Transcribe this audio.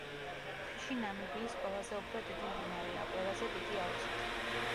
ფიში ნამიბიის ყველაზე უფრო დიდი მდინარეა, ყველაზე დიდი აუზით.